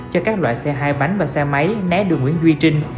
cho các loại xe hai bánh và xe máy né đường nguyễn duy trinh